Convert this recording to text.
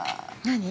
何？